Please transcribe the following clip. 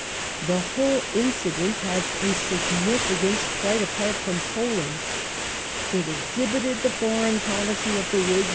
The whole incident has a significance quite apart fi om Poland. It exhibited the foreign policy of the Whigs